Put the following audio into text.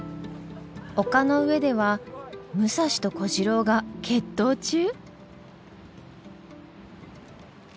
丘の上では武蔵と小次郎が決闘中！？